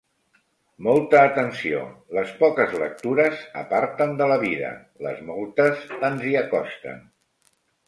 Molta atenció: les poques lectures aparten de la vida; les moltes ens hi acosten.